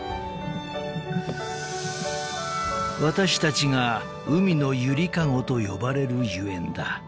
［私たちが海のゆりかごと呼ばれるゆえんだ］